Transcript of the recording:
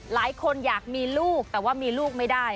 หลายคนอยากมีลูกแต่ว่ามีลูกไม่ได้